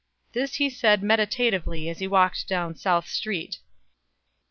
This he said meditatively as he walked down South Street.